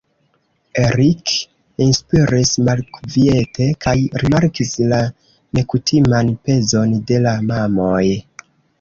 Eric enspiris malkviete kaj rimarkis la nekutiman pezon de la mamoj.